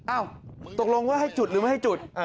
ตกลงว่าให้จุดหรือไม่ให้จุด